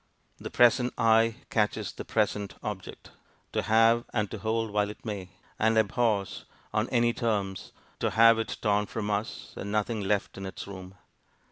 The present eye catches the present object to have and to hold while it may; and abhors, on any terms, to have it torn from us, and nothing left in its room.